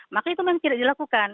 maka itu memang tidak dilakukan